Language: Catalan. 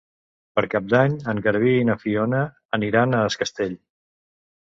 Per Cap d'Any en Garbí i na Fiona aniran a Es Castell.